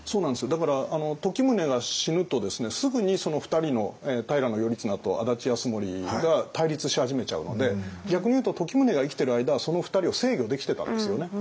だから時宗が死ぬとすぐに２人の平頼綱と安達泰盛が対立し始めちゃうので逆にいうと時宗が生きてる間はその２人を制御できてたんですよね